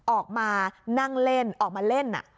ออกมานั่งเล่นออกมาเล่น